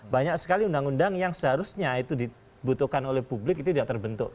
banyak sekali undang undang yang seharusnya itu dibutuhkan oleh publik itu tidak terbentuk